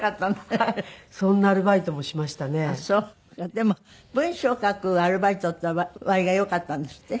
でも文章を書くアルバイトっていうのは割がよかったんですって？